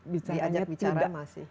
diajak bicara masih